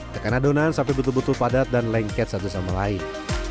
tekan adonan sampai betul betul padat dan lengket satu sama lain